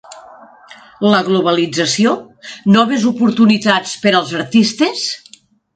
La globalització, noves oportunitats per als artistes?